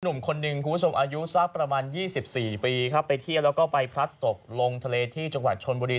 หนุ่มคนหนึ่งคุณผู้ชมอายุสักประมาณ๒๔ปีครับไปเที่ยวแล้วก็ไปพลัดตกลงทะเลที่จังหวัดชนบุรี